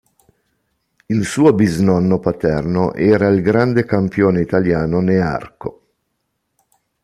Il suo bisnonno paterno era il grande campione italiano Nearco.